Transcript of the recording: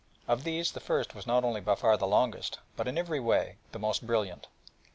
Of these the first was not only by far the longest, but in every way the most brilliant.